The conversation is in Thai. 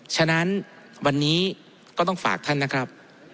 ฉะนั้นวันนี้ก็ต้องฝากท่านนะครับ